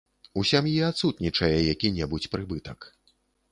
У сям'і адсутнічае які-небудзь прыбытак.